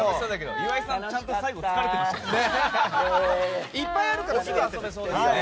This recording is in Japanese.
岩井さん、ちゃんと最後疲れてましたね。